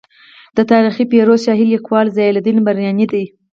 د تاریخ فیروز شاهي لیکوال ضیا الدین برني دی.